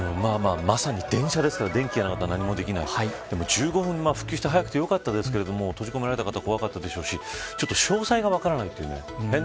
まさに電車ですから電気がないと何もできない１５分で復旧して早くて良かったでしょうけど閉じ込められた方怖かったでしょうし詳細が分からない。